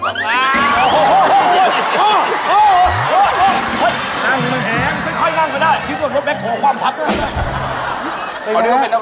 น้องขาเรียกหนูนั่งตักได้นะครับข้า